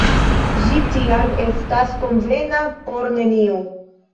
Ĝi, tial, estas konvena por neniu.